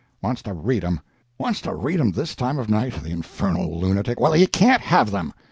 "Wants to read 'em—wants to read 'em this time of night, the infernal lunatic! Well, he can't have them."